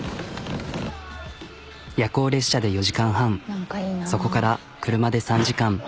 夜行列車で４時間半そこから車で３時間。